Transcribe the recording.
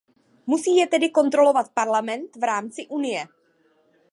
Musí je tedy kontrolovat Parlament v rámci Unie.